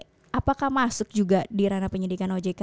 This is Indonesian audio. iya ini apakah masuk juga di ranah penyidik ojk